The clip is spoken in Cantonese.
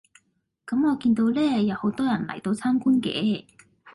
咁我見到呢有好多人嚟到參觀嘅